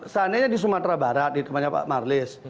seandainya di sumatera barat di tempatnya pak marlis